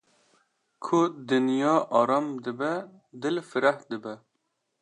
ku dinya aram dibe dil fireh dibe.